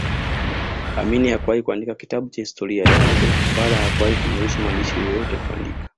Amin hakuwahi kuandika kitabu cha historia yake wala hakuwahi kumruhusu mwandishi yeyote kuandika